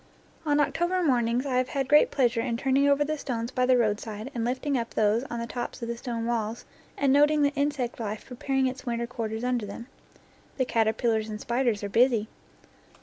On October mornings I have had great pleasure in turning over the stones by the roadside and lifting up those on the tops of the stone walls and noting the insect life preparing its winter quarters under them. The caterpillars and spiders are busy.